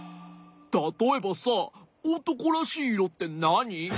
たとえばさおとこらしいいろってなに？